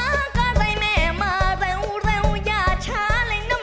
มันจะมีบางที่ฉันดูสับสน